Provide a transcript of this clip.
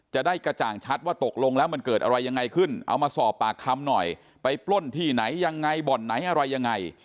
จะได้กระจ่างชัดว่าตกลงแล้วมันเกิดอะไรยังไงขึ้นเอามาสอบปากคำหน่อยไปปล้นที่ไหนยังไงบ่อนไหนอะไรยังไง